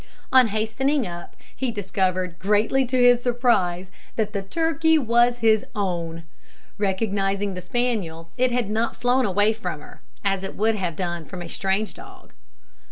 On hastening up, he discovered, greatly to his surprise, that the turkey was his own. Recognising the spaniel, it had not flown away from her, as it would have done from a strange dog.